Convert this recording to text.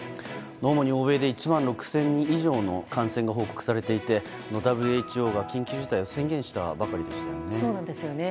主に欧米で１万６０００人以上の感染が報告されていて、ＷＨＯが緊急事態を宣言したばかりでしたよね。